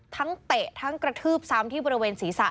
เตะทั้งกระทืบซ้ำที่บริเวณศีรษะ